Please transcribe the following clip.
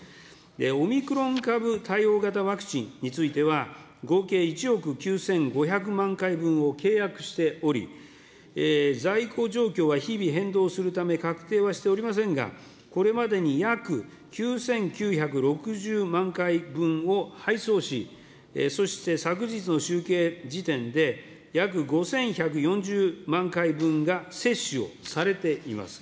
オミクロン株対応型ワクチンについては、合計１億９５００万回分を契約しており、在庫状況は日々変動するため、確定はしておりませんが、これまでに約９９６０万回分を配送し、そして昨日の集計時点で、約５１４０万回分が接種をされております。